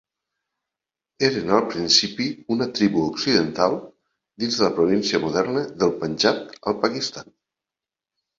Eren al principi una tribu occidental, dins la província moderna de Panjab al Pakistan.